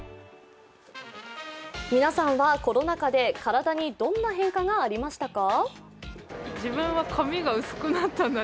皆さんはコロナ禍で体にどんな変化がありましたか？